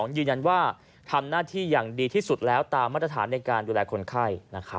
ยืนยันว่าทำหน้าที่อย่างดีที่สุดแล้วตามมาตรฐานในการดูแลคนไข้